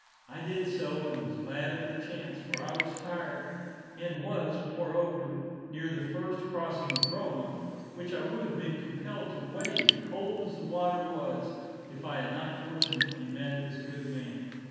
I did so, and was glad of the chance, for I was tired, and was, moreover, near the first crossing of Roanoke, which I would have been compelled to wade, cold as the water was, if I had not fortunately met this good man.